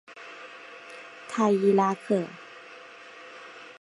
泰伊拉克。